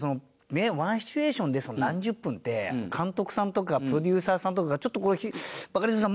ねっワンシチュエーションで何十分って監督さんとかプロデューサーさんとかが「ちょっとこれバカリズムさん